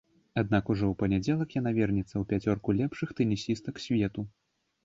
Аднак ужо ў панядзелак яна вернецца ў пяцёрку лепшых тэнісістак свету.